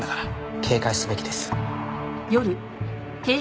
警戒すべきです。